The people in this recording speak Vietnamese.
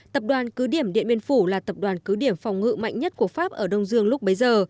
tập đoàn cứ điểm điện biên phủ là tập đoàn cứ điểm phòng ngự mạnh nhất của pháp ở đông dương lúc bấy giờ